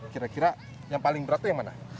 kira kira yang paling berat itu yang mana